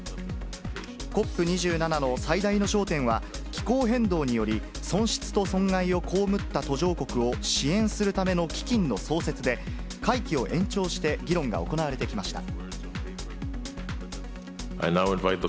ＣＯＰ２７の最大の焦点は、気候変動により、損失と損害を被った途上国を支援するための基金の創設で、会期を延長して議論が行われてきました。